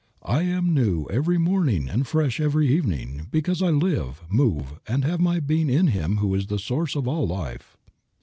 I am new every morning and fresh every evening, because I live, move, and have my being in Him who is the source of all life."